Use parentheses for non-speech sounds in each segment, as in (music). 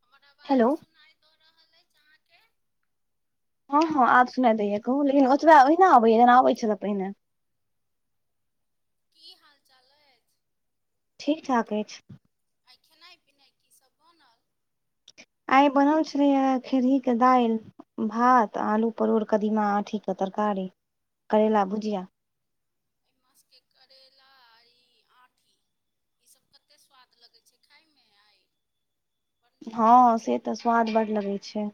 हमर अबाज हेलो सुनाय हाँ-हाँ आब सुनाई दैया कहूँ लेकिन ओतबा ओहिना आबैया जना आबै छले पहिने। की हाल-चाल अछि। ठीक-ठाक अछि। आइ खेनाइ-पिनाइ कीसब बनल। आइ बनल छलै हे खेरहीके दाइल भात, आलू, परोड़, कदीमा, आँठीके तरकारी, करैला भुजिया। एहि मासके करैेला आ ई आँठी ई सब कते स्वाद लगैत छैय खाइमे आइ बड़ नीक लगै हॅं छै से तऽ स्वाद बड लगै छैय।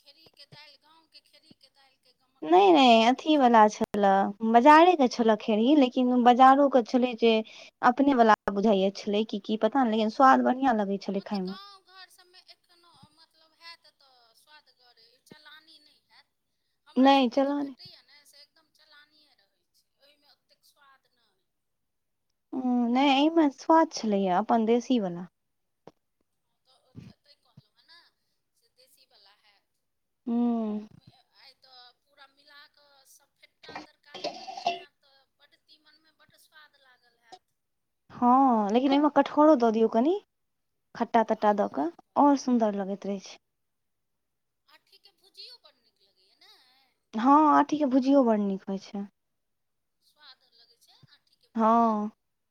खेरहीके दाइल गाँवके खेरहीके दाइल नहि नहि अथी वला छ ला बजारे के छलए खेरही लेकिन बजारो के छलै जे अपने वला बुझाइय छलै कि की पता नै लेकिन स्वाद बढ़िया लगै छलै हँ तऽ खाइमे। गाँव घर सभमे एखनो मतलब हेत तऽ स्वादगर इ चलानी नहि हेत। हमरा नहि सबके जे चलऽ भेटैया नहि से एकदम चलानिये रहै छैय ओहिमे ओतेक स्वाद नहि। उं नहि एहिमे स्वाद छलैया अपन देशी वला। तऽ ओ तैं कहलहु हें नै जे देशीवला हैत। हूँ ए आइ तऽ पूरा मिला कऽ सभ फेट्टा तरकारी बनेने हैब तऽ बड्ड तीमनमे बड स्वाद लागल हैत। हॅं लेकिन ओहिमे कठहरो दऽ दियौ कनि खट्टा तऽ तट्टा आओर दऽ कऽ नीक भऽ और जायत सुन्दर लगैत रहे छैय। आंठीके भुजियो बड नीक लगैया, नहि। हॅं आँठीके भुजियो बडड नीक होइ छैय। स्वाद लगै छैय आंठ हॅं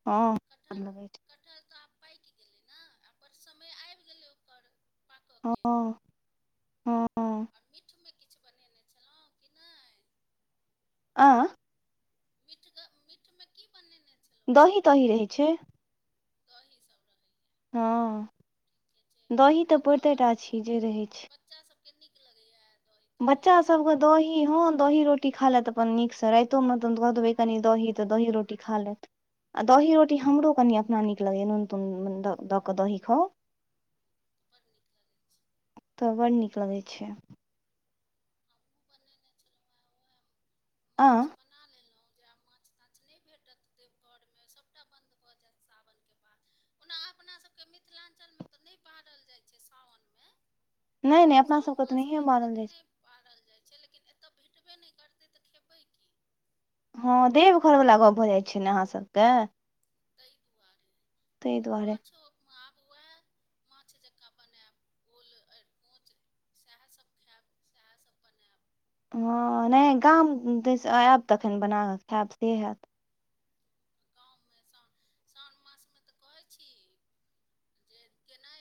हॅं स्वाद लगै छैय। पकि गेलै नहि आ पर समय आबि गेलै ओकर। पाकके हँ हँ और मीठमे किछ बनेने छलहुँ कि नहि? आँ मीठग मीठमे की बनेने छलौं? दही तही रहै छैय। दही सब रहै हॅं दही तऽ छै पौरते ब टा छी जे रहै छैय। बच्चा सभके नीक लगैया? बच्चा सबके दही हँ दही रोटी खा लेत अपन नीकसे, राइतो मे तऽ द देबै कनि दही तऽ दही रोटी खा लेत। आ दही रोटी हमरो कनि अपना नीक लगैए नून तून दऽ कऽ दही खाउ (inaudible) बड़ नीक लगै छै। तऽ बड नीक लगै छै। हमु बनेने छलहुँए उहे माछ बन (inaudible) जे आब माछ ताछ नहि भेटत देवघरमे सभटा बन्द भऽ जेत सावनके बाद ओना अपनासभके मिथिलांचल मे तऽ नहि बारल जाइ छै साओनमे नहि नहि अपना साओन सबके तऽ नहिए मासमे मानल एतेक जाइ नैह बारल जाइ छै लेकिन एतय भेटबे नहि करतै तऽ खेबै की। छै हँ देवघर वला गप भऽ जाइ छै ने अहाँ सबके। तही दुआरे ताहि लेकिन दुआरे माछो आब वैह माछ जकाँ बनेब ओल एरकोंच सएहसभ खायब सएहसभ बनैब। हँ नहि गाम दीस आयब तखन बना कऽ खायब से हैत। गाँवमे सओन सओन मासमे तऽ कहैत छी। जे केना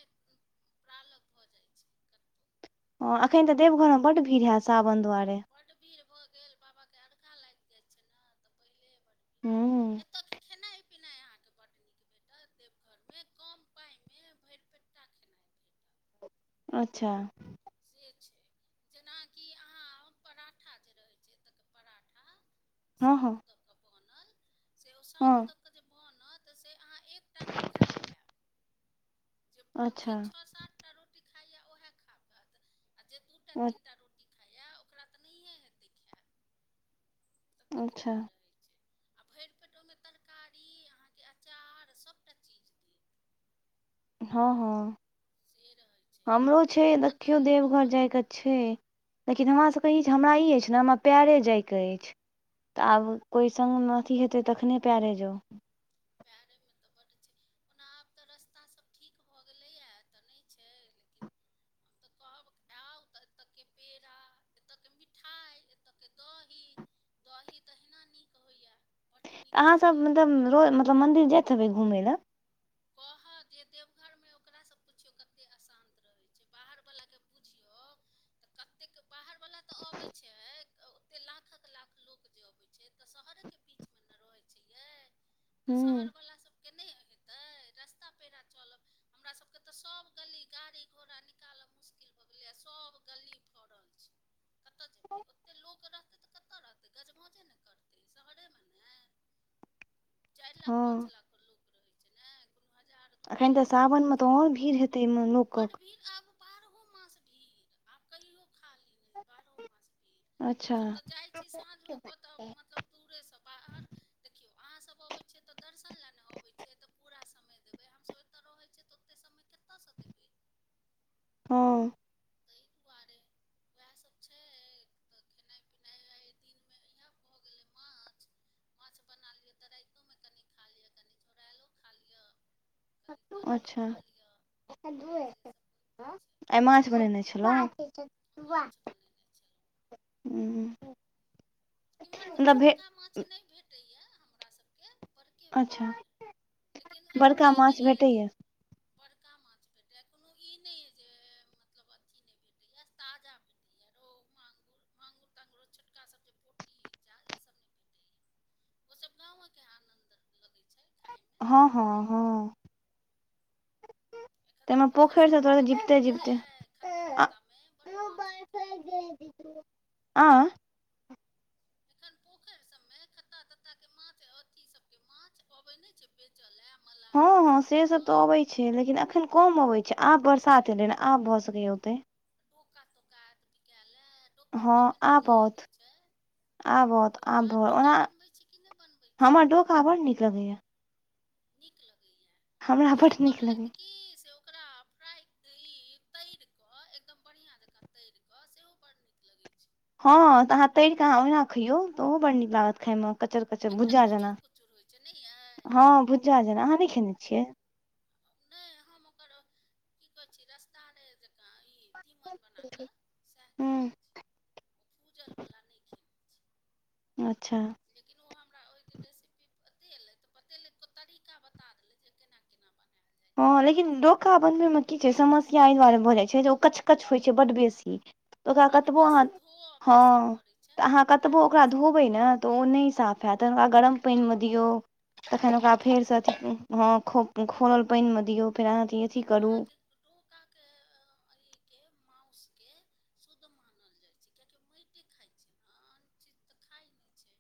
प्रालग भऽ जाइ छै। कतहु ह एखन तऽ देवघरमे बड्ड भीड़ हेत सावन दुआरे। बड भीड़ भऽ गेल बाबा के अरघा लागि जा छै ने तऽ पहिले। बड्ड हूं। भीड़ एतयके खेनाइ पिनाइ अहाँके बड्ड नीक भेटत देवघर मे कम पाई मे भैर पेटा खेनाइ। भेटत अच्छा। से छैय। जेनाकि आहाँ पराठा जे रहैत छै एतऽ पराठा। हँ साउथ हँ तकके बनल से ओ साउथ हँ तकके जे। बनत से आहाँ एक टा नय खा पैब जे अच्छा जे छः सात। टा रोटी खाइया ओहे खा पेत आ जे दूटा तीनटा रोटी। खइया ओकरा तऽ नहिए हेतै खेइल ततेक अच्छा नीक रहैत छै। आ भैइर पेट ओहिमे तरकारी अहाँके अचार सभटा चीज। देत हँ हँ से रहै छै हमरो आर छै भातो देखियौ दालि देवघर रहत जाइके छै। लेकिन हमरासभके ई हमरा ई अइछ न हमरा पेरे जायके अछि। तऽ आब कोइ संग मे अथी हेतै तखने पैरे जाऊ। पैरेमे तऽ बड्ड छै (inaudible) ओना आब तऽ रस्ता सब ठीक भऽ गेलैया तऽ नहि छै लेकिन। (inaudible) हम तऽ कहब आउ तऽ एतयके पेड़ा एतयके मिठाई एतयके दही। दही तहिना नीक होइया। आहाँसभ मतलब रोज मतलब मन्दिर जाइत हेबै घुमय लए। कहऽ जे देवघरमे ओकरासँ पुछियौ कते अशान्त रहे। बाहर बलाके पुछियो तऽ कतेक बाहर बला तऽ अबै छै। तऽ ओतेक लाखक लाख लोक जे अबै छै तऽ शहरेके बीचमे नह रहैत छै यै। तऽ हूँ शहरवला सभके नहि हेतै रस्ता पेरा चलब। हमरासभके तऽ सभ गली गाड़ी घोड़ा निकालय मुश्किल भऽ गेलैए सभ गली फड़ल छै। कतऽ जेबे ओते लोक रहते तऽ कत रहते गजमजे ने करते। शहरे में ने। (inaudible) चाइर लाख पांच हँ लाख लोक रहे छै ने कोनो हजार। दु एखन हजार तऽ नहि रहै सावनमे तऽ छै आओर भीड़ हेतै एहिमे बड लोकक भीड़ आब। बारहो मास भीड़ आब कहियो खाली नै बारहो मास भीड़। अच्छा हमसभ तऽ जाइ छी साँझो क। कऽ ओतऽ मतलब दूरे स बाहर देखियौ अहाँसब अबै छियै तऽ दर्शन लए न अबै छियै तऽ। पूरा समय देबै हमसभ एतऽ रहै छियै तऽ ओते समय कतऽ सँ देबै। हँ। तहि दुआरे वएह सभ छै। तऽ खेनाई-पिनाई एहि दिन में इएह भऽ गेलै माछ। माछ बना लिअ तऽ राइतओ में कनि खा लिअ कनि झोरैलो खा लिअ। कनि तरलो अच्छा खा लिअ से सब। होइते छै आइ माछ बनेने छलौं। माछ बनेने छेलौं। उंह इम्हर तऽ छोटका माछ नै भेटैए हमरा सबके बरके अच्छा भेटैए लेकिन आब बड़का ई नै माछ ऐ जे भेटैया बड़का माछ भेटैए कोनो ई नै अय जे मतलब अथी नै भेटैए ताजा भेट टैया रौ मांगुर, तांगुर ओ छोटका सब जे पो ई चाल ई सब नै भेटैए ओ सब गांव के आनंद लगै छय खाय में। हँ-हँ, हँ एखन तऽ ताहिमे पोखैर सब पोखरिसँ में तोरा होइत जीविते हैत नै यै जीविते आ खत्ता-तत्ता में बड्ड माछ होइत हैत। आं एखन पोखैर सब में खत्ता-तत्ता के माछ अथी सब के माछ अबै नै छै। बेचऽ लै हँ मलाहिन हँ सब लऽ, से कऽ तऽ अबै छै लेकिन अखन कम अबै छै, आब बरसात एलै न आब भऽ, सकैया ओतय डोका-तोका एत बिकै लै। हँ आब आउत आबऽत डोका आबऽ डोका ओना बनबै छी कि नहि बनबै छी हमर डोका बड़ नीक लगैया। नीक लगैए हमरा कियो बड नीक लगैया कहलैथ की से ओकरा फ्राइ ई तै तै र कऽ एकदम बढ़ियां जकाँ तैर कऽ, सेहो बड नीक लगै छै। हँ तऽ, अहाँ तैर कऽ, अहाँ ओहिना खइयौ तऽ, ओहो बड नीक लागत खाय मं। कचर-कचर एकटा भुज्जा जेना कुचुर कुचुर होइ छै नहि अइ हँ भुज्जा जेना अहाँ नै खेने छियै। नै हम ओकर की कहै छै रसदारे जंका क ई तीमन बनाकऽ सएह खेने छी, भूजल वला नै खेने छी अच्छा लेकिन ओ हमरा ओइ दिन रेसिपी बतेलैथ तऽ, बतेलै तऽ, ओ तरीका बता देलै जे केना-केना बनैब हँ लेकिन डोका बनबै में की छै, समस्या एहि दुआरे भऽ जाइ छै, जे ओ कच-कच होइ छै, बड्ड बेसी तऽ ओकरा बड्ड कतबो अहाँ बेसी धोअ बेसी हँ पड़ै छै तऽ अहाँ कतबो टाइम ओकरा बेसी धोबै नऽ तऽ ओ नै साफ हैत तखन ओकरा गरम पइन में दियौ तखन ओकरा फेर स तखने अथी में हँ खो-खोड़ल पइन में दियौ। फेर अहाँ अथी अथी करू अहाँके की के माउस के शुद्ध मानल जाइ छै, किएकि ओ मइटे खाइ छै, न आन चीज तऽ खाइ नै छै।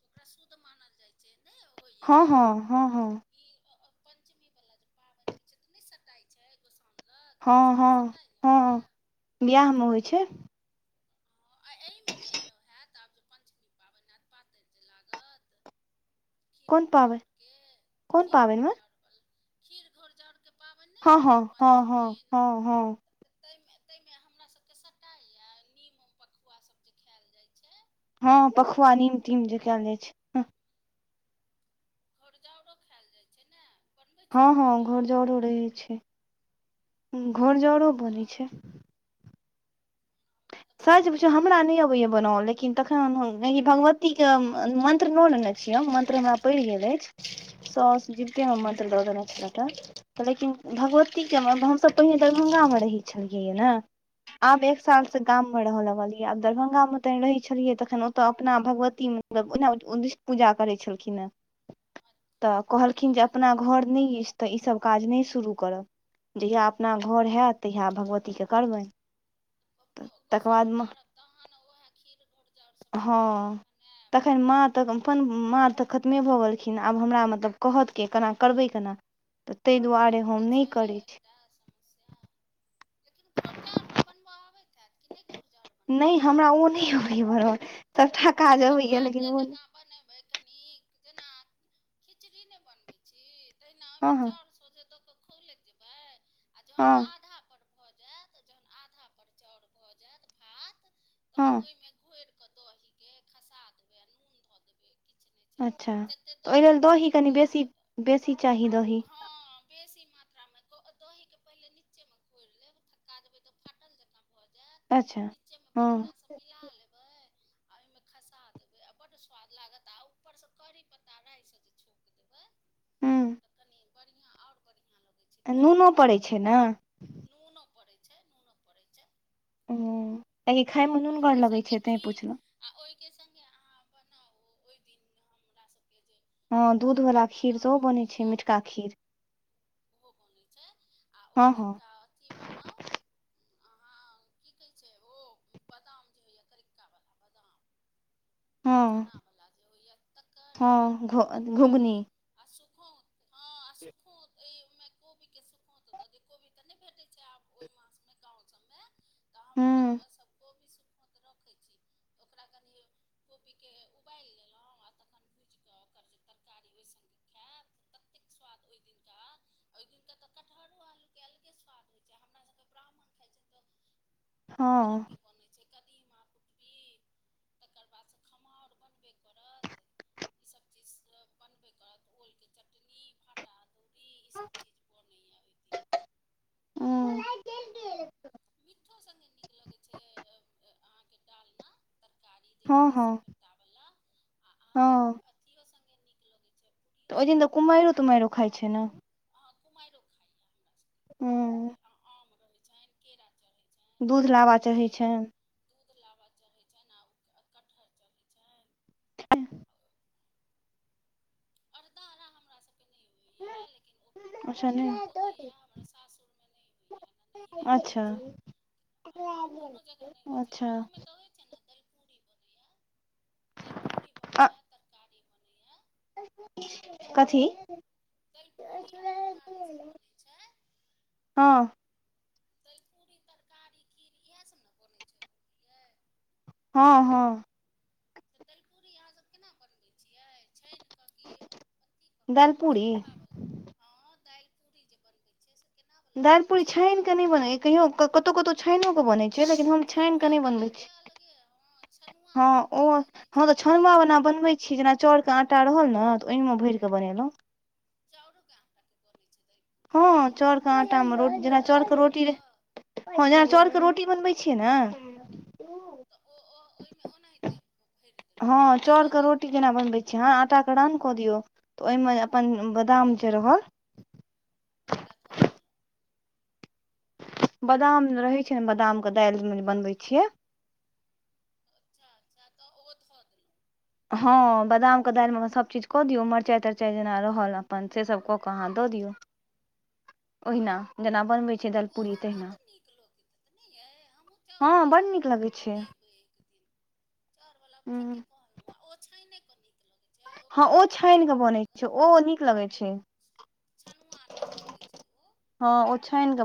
ओकरा शुद्ध मानल जाइ छै, नै होइए हँ हँ हँ हँ ई अ-अ पञ्चमी बला जे पाबैन होइ छै, तऽ नै सटाइ छै, गोसाँझ हँ -हँ -हँ बियाह में होइ तऽ छै। ओ (unintelligible) तऽ आब जे पञ्चमी पाबैन ऐत पातैर जे लागत खीर कोन पाबनि घोरजाउर के कोन खीर पाबनि मे घोरजाउर बला खीर घोरजाउर के पाबैन नै हँ हँ अबैए हँ हँ पञ्चमी हँ हँ तय मे तय मे हमरा सभके सटाइ या नीमु पकुआ सभ जे खायल जाइ छै। हँ पखुआ नीम तीम जे खेलजाइ छै। घोरजाउरो खायएल जाइ छै, ने। बनबै छियै हँ -हँ घोरजाउर घोरजाऊरो रहे छै, खीर घोरजउरो बनै घोरजाउर छै। हमरा तऽ बड़ सच नीक पुछू हमरा लगैए नय अबैया घोरजाउर बनाबो लेकिन लेकिन तखन हम इ भगवती के मन्त्र न नेने छियै हम मन्त्र हमरा पड़ि गेल अइछ। साउस जीवते हम मंत्र दऽ देने छलथि हें। लेकिन भगवती के मंत्र हम सब पहिने दरभंगा मे रहै छलियैए ने आब एक एक साल से गाम मे रहऽ लगलियै आब दरभंगा मे तहैन रहै छलियै तखैन ओतऽ अपना भगवती मे मतलब ओहिना उदिष्ट पूजा करै छलखिन हें। तऽ से कहलखिन जे होइ अपना घर छलए नय अइछ तऽ ई सब काज नै शुरू करब जहिया अपना घर हेएत तहिया भगवती के करबनि। ओतऽ तकर गोसाउन बाद गाड़ब तहन उहेए खीर- घोरजाउर सब सबटा चीज बनेएब। त अपन मां त खतमे भऽ गेलखिन आब हमरा मतलब कहत के? केना करबै केना? त तै दुवारे हम नै करै छी। (inaudible) सेएह लेकिन घोरजाउर तऽ बनबऽ आबैत हैत कि नै घोरजाउर नै बनबय हमरा अबैए ओ नै अबैए बनबल सभटा काज देखियौ अबैए भाते लेकिन ओ नै जकाँ बनेबै कनीक जेना खिचड़ी नै बनबै छी तहिना ओय मे हँ हँ चाउर सोझे द क खौलैत जेबै आ जहन हँ। आधा पर भऽ जायत जहन आधा पर चाउर भऽ जायत भात तहन हँ ओय मे घोरि केऽ दही के खसा देबै आ नून धऽ देबै किछ नै अच्छा जते तऽ ओहि दही लेल देबै कनि तते बेसी बेसी चाही दही हॅं। बेसी मात्रा मे द - दही के पहिले नीच्चे मे घोइर लेब थक्का देबै तऽ फाट जकाँ भऽ जायत अच्छा नीच्चे मे हँ बढ़ियां सँ मिला लेबै आ ओय मे खसा देबै आ बड्ड स्वाद लागत आ उपर से करी पत्ता राय स जे छौंक (inaudible) त कनी बढ़ियां और बढ़ियां नूनो पड़ै छै ने? नूनो पड़ै छै- नूनो पड़ै छै। हूँ कियाकि खाय मे आ नुनगर ओइके लगै संगे छै तैं खीर पुछलौं आ ओइ के संगे अहाँ बनाउ ओइ दिन हमरा सबके जे हँ ई दूध करीक्का वला खीर सेहो बादाम बनै छै होइये मिठका खीर ओहो बनै छै आ हँ ओइ हँ दिनका अथी बनाउ। अहाँ की कहै छै ओ बदाम जे होइये करिक्का बला बदाम। हँ चना वला जे होइये तकर आ आलू हँ घो के तरकारी घुघनी आ सुखौंत। हँ आ सुखौंत ई कोबी के सुखौंत द दियौ, कोबी तऽ नै भेटै छै आब ओइ मास मे गाँव सब मे, तऽ हमरा हूँ सब कोबी सुखौंत रखै छी ओकरा कनि कोबी के उबालि लेलहु आ तखन भुजि कऽ ओकर जे तरकारी ओइ संगे हेएत ततेक स्वाद ओइ दिनका। ओइ दिनका त कटहरो आलू के अलगे स्वाद होइ छै हमरा सभ के ब्राह्मण खाइ छै तऽ बहुत रंग हँ के बनै छै कदीमा कुटबी तकर बाद सँ खमहाउर बनबे करत। ई सब चीज सब बनबे करत ओल के चटनी, भाटा-अदौरी इ सब चीज बनैये ओइ दिन। अ लाइट जलि गेल। पीट्ठो संगे नीक लगै छैइ अहाँके डालना। तरकारी जे होय हँ छै हँ सपेटा बला आ अहाँके हँ अथियो संगे नीक लगै छै। त पूड़ियो ओहि दिन त कुमाइरो तुमाइरो खाइ छै ने। अह कुमाइरो खाइया हमरा हूँ सभके आम रहै छ केरा चढ़ै, छनि दूध लाबा चढ़ैत भगवतीके छैन। दूध लाबा चढ़ै छैन आ ओ कटहर चढ़ै छैन। अरदा अ हमरासभबकेँ नय होइए लेकिन ओ, अच्छा नै कत कतहु होइए हमरा सासुरमे नय होइए नहि नहिरमे अच्छा होइत छला। आ हँ दुनू जगह नय होइ छला अच्छा ओहो मे त होइत छै ने दैलपुरी, बनैया दैलपुरी अ बनैया तरकारी बनैया। कथी। दैलपुरी आ तरकारी सब बनैत छैय। हँ। तैलपुरी तरकारी खीरी इएह सब ने बनैत छै यै। हँ हँ। त दैलपूरी अहाँसब केना बनबै छियै छइन क की अ, अथी क क दालि पूरी सूखावला हँ दाइलपुरी जे बनबै छै से, केनावला बनबै दाइलपुरी छाइन के नय छनुआवला बनैए कहियो कतहु कतहु छाइनो बनै छै लेकिन हम, छाइन के नय बनबे छी। छनुआवलाके अलगे हँ छनुआ ह। लोकके ओ पचै नहि छै हँ त ने छनुवा बला बनबै छी जेना चाउरके आटा रहल ने त ओहिमे भइर क बनेलहुँ। चाउरू के आटा के बनै छै दाइलपुरी हम हँ नय चाउरके खैनै छी आटामे रोटी जेना ओरान चाउरके क रोटी क। हँ जेना चाउरके रोटी बनबैत छियै ने। त ओ ओ ओहिमे ओनाहितै। हँ चाउर के रोटी केना बनबे। हँ आटाके रान क दियौ त ओहिमे अपन बादाम जे रहल, ओकरा ध देल। बादाम रहे छै ने बादाम के दैल बनबै छियै। अच्छा अच्छा त ओहो ध दैलउ। हँ बादामके दाइलमे अ सभचीज क दियौ मरचाइ तरचाइ जेना रहल अपन सेसब क क अहाँ द दियौ। ओहिना जेना बनबै छी ओहो दैलपुरी बहुत तहिना। नीक लोक त नय यै हमहूँ हँ चाउरवला बड नीक लगै छै बनेबै एक दिन। चाउर बला ठीके कहलहुह आ ओ छाइने के नीक लगे। हँ ओ छाइन क बनैत छै ओ नीक लगैत छै। छनुआ नीक लगै छै ओ। हँ ओछा छाइन क,